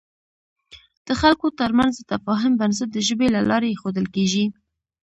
د خلکو تر منځ د تفاهم بنسټ د ژبې له لارې اېښودل کېږي.